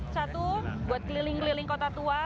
satu buat keliling keliling kota tua